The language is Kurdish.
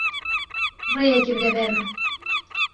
Rêyekê bide ber min.